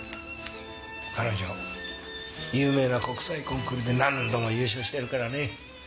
彼女有名な国際コンクールで何度も優勝してるからね。